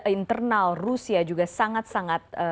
internal rusia juga sangat sangat